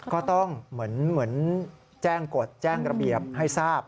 ก็ต้องเหมือนแจ้งกฎแจ้งระเบียบให้ทราบ